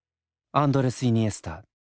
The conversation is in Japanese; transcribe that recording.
アンドレス・イニエスタ。